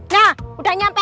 nah udah nyampe